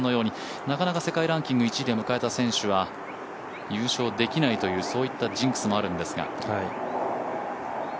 なかなか世界ランキング１位で迎えた選手は優勝できないという、ジンクスもあるんですが。